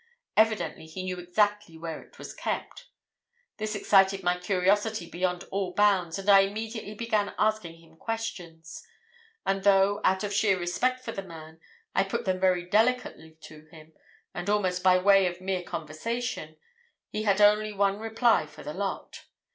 Evidently he knew exactly where it was kept. This excited my curiosity beyond all bounds, and I immediately began asking him questions; and though, out of sheer respect for the man, I put them very delicately to him, and almost by way of mere conversation, he had only one reply for the lot.